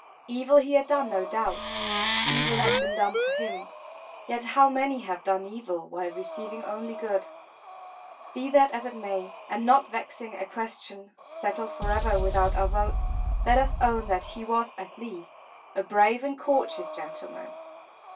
Evil he had done, no doubt, as evil had been done to him; yet how many have done evil, while receiving only good! Be that as it may; and not vexing a question (settled for ever without our votes), let us own that he was, at least, a brave and courteous gentleman.